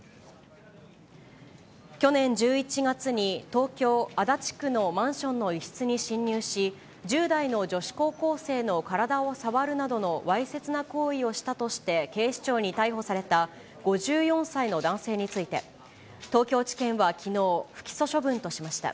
去年１１月に、東京・足立区のマンションの一室に侵入し、１０代の女子高校生の体を触るなどのわいせつな行為をしたとして警視庁に逮捕された５４歳の男性について、東京地検はきのう、不起訴処分としました。